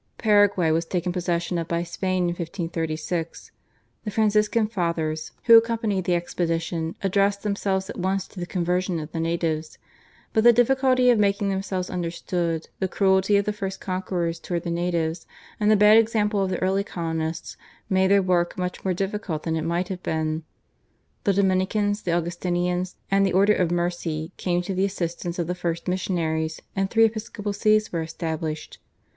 Paraguay was taken possession of by Spain in 1536. The Franciscan Fathers who accompanied the expedition addressed themselves at once to the conversion of the natives; but the difficulty of making themselves understood, the cruelty of the first conquerors towards the natives, and the bad example of the early colonists, made their work much more difficult than it might have been. The Dominicans, the Augustinians and the Order of Mercy came to the assistance of the first missionaries, and three episcopal sees were established.